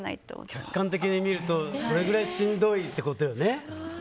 客観的に見ると、それぐらいしんどいということよね。